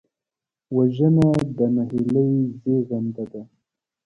وژنه د نهیلۍ زېږنده ده